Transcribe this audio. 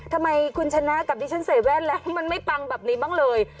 ทำไมคุณชนะกับดิฉันใส่แว่นแล้วมันไม่ปังแบบนี้บ้างเลย